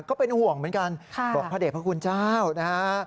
ก็เป็นห่วงเหมือนกันบอกพระเด็จพระคุณเจ้านะฮะ